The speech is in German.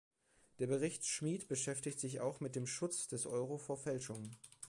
Der Bericht Schmid beschäftigt sich auch mit dem Schutz des Euro vor Fälschungen.